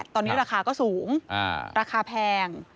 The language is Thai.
ตอนนี้ราคาก็สูงราคาแพง